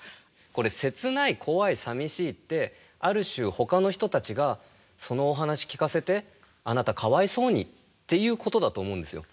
これ「せつないこわいさみしい」ってある種ほかの人たちがそのお話聞かせてあなたかわいそうにっていうことだと思うんですよ。